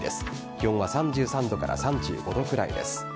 気温は３３度から３５度くらいです。